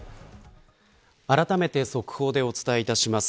あらためて速報でお伝えいたします。